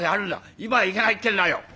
今はいけないってんだよ。